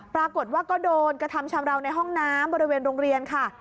ปรากฏว่าก็โดนกระทำชำราวในห้องน้ำบริเวณโรงเรียนค่ะ